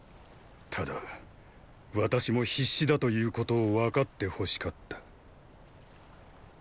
ただ私も必死だということを分かってほしかった。